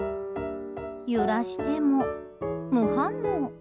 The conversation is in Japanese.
揺らしても、無反応。